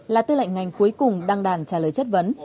là tư lệnh ngành cuối cùng đăng đàn trả lời chất vấn